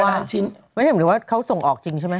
ไม่เห็นเหมือนเค้าออกจริงใช่มั้ย